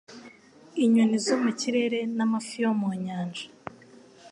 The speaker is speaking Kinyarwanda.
inyoni zo mu kirere n’amafi yo mu nyanja